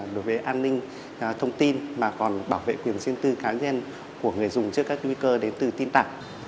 đối với an ninh thông tin mà còn bảo vệ quyền riêng tư cá nhân của người dùng trước các nguy cơ đến từ tin tặc